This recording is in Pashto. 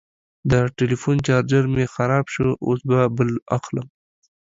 د ټلیفون چارجر مې خراب شو، اوس به بل اخلم.